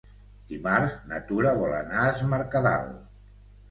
Dimarts na Tura vol anar a Es Mercadal.